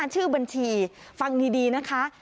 ๐๒๐๑๕๐๗๗๘๖๒๕ชื่อบัญชีฟังดีนะคะ